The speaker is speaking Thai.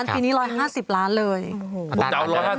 ปีนี้๑๕๐ล้านเลย